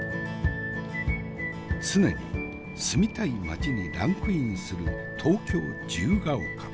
常に住みたい町にランクインする東京自由が丘。